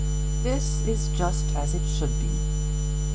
This is just as it should be.